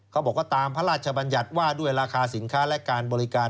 เขาบอกว่าตามพระราชบัญญัติว่าด้วยราคาสินค้าและการบริการ